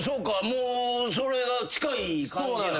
もうそれが近い感じやねんな。